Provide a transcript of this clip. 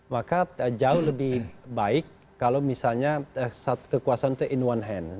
maka jauh lebih baik kalau misalnya kekuasaan itu in one hand